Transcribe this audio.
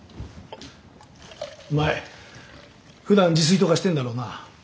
お前ふだん自炊とかしてんだろうな。